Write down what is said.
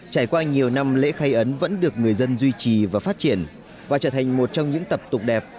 trải qua nhiều năm lễ khai ấn vẫn được người dân duy trì và phát triển và trở thành một trong những tập tục đẹp